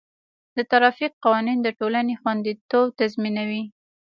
د ټرافیک قوانین د ټولنې خوندیتوب تضمینوي.